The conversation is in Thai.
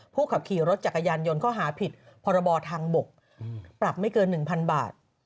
ขับขี่รถจักรยานยนต์ข้อหาผิดพรบทางบกปรับไม่เกิน๑๐๐๐บาท